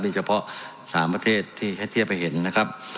นี่เฉพาะ๓ประเทศที่ไปแทบมาเห็นนะครับ